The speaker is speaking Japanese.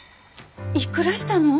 いくらしたの？